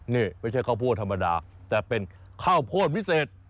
นี่ไม่ใช่ข้าวโพดธรรมดาแต่เป็นข้าวโพดวิเศษ